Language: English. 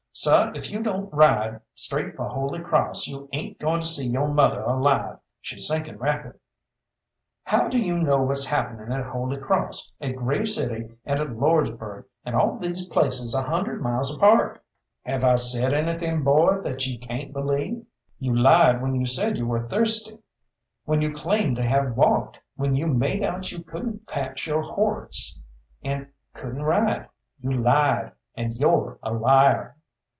"Seh, if you don't ride straight for Holy Cross, you ain't goin' to see yo' mother alive she's sinking rapid." "How do you know what's happening at Holy Cross, at Grave City, and at Lordsburgh, and all these places a hundred miles apart?" "Have I said anything, boy, that you cayn't believe?" "You lied when you said you were thirsty, when you claimed to have walked, when you made out you couldn't catch your horse, and couldn't ride you lied, and you're a liar!"